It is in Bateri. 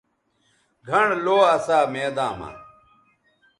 گھنڑ لو اسا میداں مہ